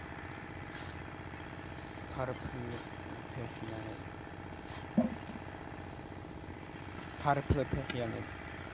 ფარფლფეხიანები მეტწილად გავრცელებული არიან ჩრდილოეთ და სამხრეთ ნახევარსფეროს ცივი და ზომიერი სარტყლების ზღვებში.